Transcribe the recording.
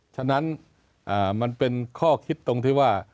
ฉะนั้นมันเป็นข้อคิดตรงที่ว่า